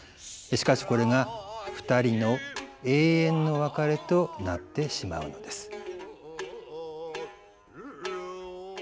しかしこれが２人の永遠の別れとなってしまうのです。